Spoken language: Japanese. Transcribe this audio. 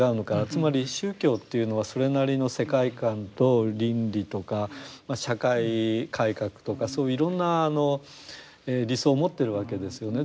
つまり宗教というのはそれなりの世界観と倫理とか社会改革とかそういういろんな理想を持ってるわけですよね。